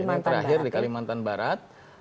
ini yang terakhir di kalimantan barat